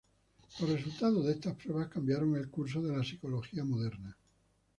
Los resultados de estas pruebas cambiaron el curso de la psicología moderna.